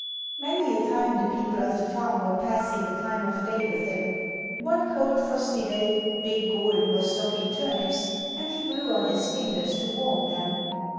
Many a time the people of the farm were passing the time of day with him. One cold frosty day, big Gordon was docking turnips and he blew on his fingers to warm them.